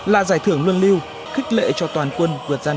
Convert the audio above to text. là giải thưởng luân lưu khích lệ cho toàn quân